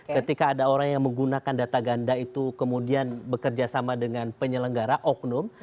ketika ada orang yang menggunakan data ganda itu kemudian bekerja sama dengan penyelenggara oknum